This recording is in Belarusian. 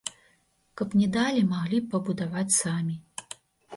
Каб не далі, маглі б пабудаваць самі.